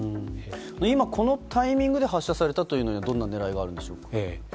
今、このタイミングで発射されたというのはどんな狙いがあるんでしょうか。